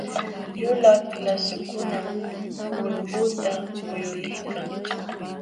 Yulaq lasukunam ulquta muyuliykan.